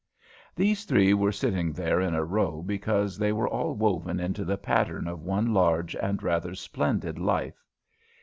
These three were sitting there in a row because they were all woven into the pattern of one large and rather splendid life.